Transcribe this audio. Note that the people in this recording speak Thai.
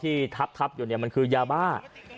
ที่ทับอยู่เนี่ยมันคือยาบ้า